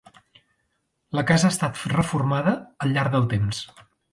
La casa ha estat reformada al llarg del temps.